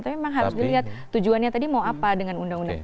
tapi memang harus dilihat tujuannya tadi mau apa dengan undang undang